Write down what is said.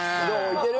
いける？